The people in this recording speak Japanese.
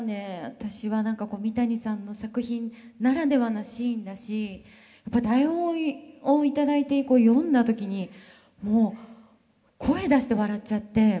私は三谷さんの作品ならではなシーンだし台本を頂いて読んだ時にもう声出して笑っちゃって。